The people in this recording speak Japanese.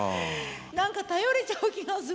何か頼れちゃう気がする。